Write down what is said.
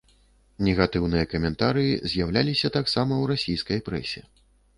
Негатыўныя каментарыі з'яўляліся таксама ў расійскай прэсе.